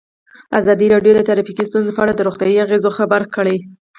ازادي راډیو د ټرافیکي ستونزې په اړه د روغتیایي اغېزو خبره کړې.